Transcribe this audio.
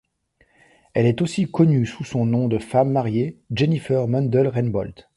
Elle est aussi connue sous son nom de femme mariée, Jennifer Mundel-Reinbold.